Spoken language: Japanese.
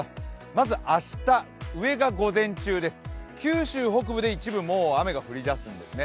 まず明日、上が午前中です、九州北部で一部もう雨が降り出すんですね。